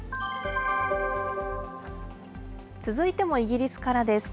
続いてもイギリスからです。